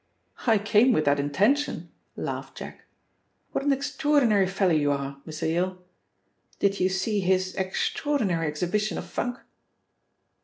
"I came with that intention," laughed Jack. "What an extraordinary fellow you are, Mr. Yale! Did you see his extraordinary exhibition of funk?"